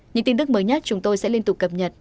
những tin tức mới nhất chúng tôi sẽ liên tục cập nhật